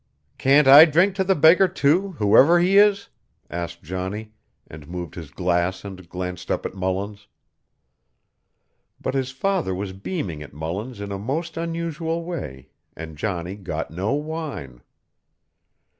"Can't I drink to the beggar, too, whoever he is?" asked Johnny, and moved his glass and glanced up at Mullins. But his father was beaming at Mullins in a most unusual way and Johnny got no wine.